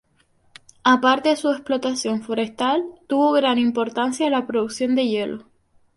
Aparte de su explotación forestal, tuvo gran importancia la producción de hielo